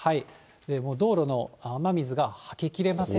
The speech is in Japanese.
道路の雨水がはききれませんと。